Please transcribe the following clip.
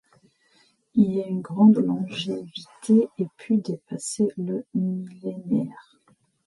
Il a une grande longévité et peut dépasser le millénaire.